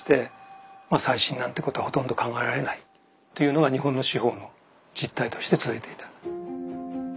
再審なんてことはほとんど考えられないというのが日本の司法の実態として続いていた。